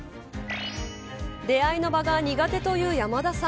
出会いの場が苦手というヤマダさん。